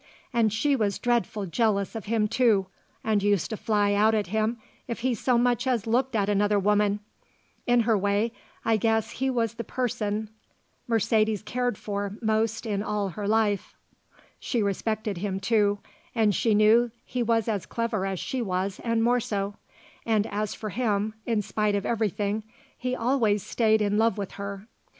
And she was dreadful jealous of him, too, and used to fly out at him if he so much as looked at another woman; in her way I guess he was the person Mercedes cared for most in all her life; she respected him, too, and she knew he was as clever as she was and more so, and as for him, in spite of everything, he always stayed in love with her.